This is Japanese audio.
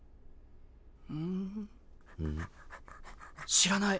知らない。